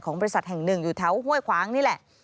บริษัทแห่งหนึ่งอยู่แถวห้วยขวางนี่แหละ